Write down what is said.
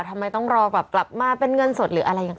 ทำไมต้องรอแบบกลับมาเป็นเงินสดหรืออะไรยังไง